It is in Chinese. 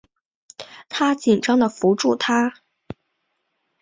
她紧张的扶住她